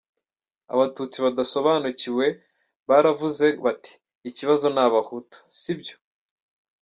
Abatutsi badasobanukiwe baravuze bati “ikibazo n’abahutu.” Sibyo.